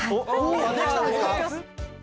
できたんですか？